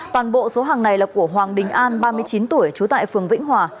toàn bộ số hàng này là của hoàng đình an ba mươi chín tuổi trú tại phường vĩnh hòa